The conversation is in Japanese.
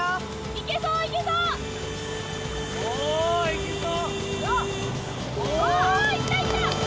いけそういけそう。